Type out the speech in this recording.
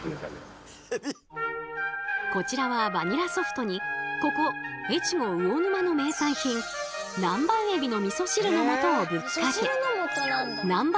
こちらはバニラソフトにここ越後魚沼の名産品南蛮えびのみそ汁の素をぶっかけ南蛮